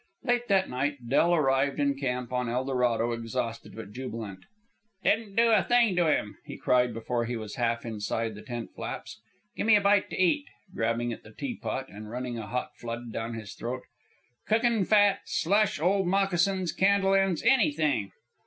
Late that night Del arrived in camp on Eldorado exhausted but jubilant. "Didn't do a thing to him," he cried before he was half inside the tent flaps. "Gimme a bite to eat" (grabbing at the teapot and running a hot flood down his throat), "cookin' fat, slush, old moccasins, candle ends, anything!"